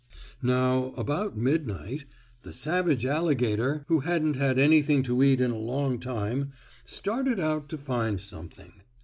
Now, about midnight, the savage alligator, who hadn't had anything to eat in a long time, started out to find something.